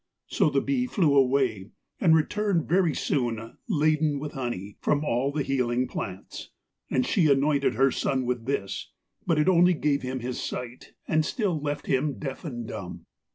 So the bee flew away and returned very soon laden with honey from all the healing plants, and she anointed her son with this, but it only gave him his sight, and still left him deaf and dumb.